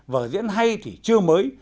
vở diễn hay thì chưa mới